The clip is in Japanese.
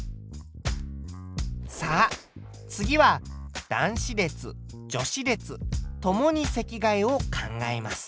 さあ次は男子列・女子列共に席替えを考えます。